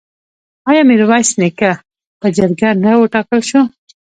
آیا میرویس نیکه په جرګه نه وټاکل شو؟